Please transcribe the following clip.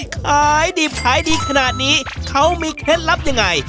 ขายดิบขายดีขนาดนี้เขามีเคล็ดลับยังไง